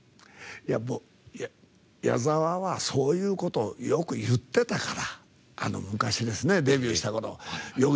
矢沢はそういうことよく言ってたから昔ですね、デビューしたとき。